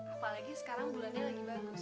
apalagi sekarang bulannya lagi bagus